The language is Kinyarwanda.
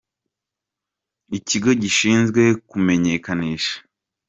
kigo gishinzwe kumenyekanisha.